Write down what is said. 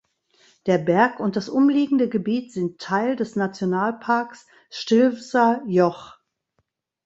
Der Berg und das umliegende Gebiet sind Teil des Nationalparks Stilfser Joch.